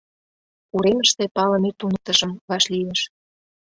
Уремыште палыме туныктышым вашлиеш.